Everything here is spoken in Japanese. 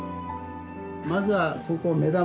まずはここ目玉。